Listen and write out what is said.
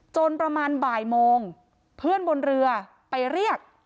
ประมาณบ่ายโมงเพื่อนบนเรือไปเรียก